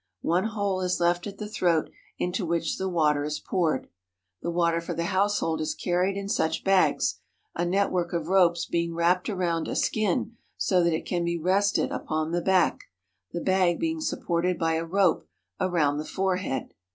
One hole is left at the throat into which the water is poured. The water for the household is carried in such bags, a network of ropes being wrapped around a skin so that it can be rested upon the back, the bag 162 FARMING IN LAND OF MILK AND HONEY being supported by a rope around the forehead.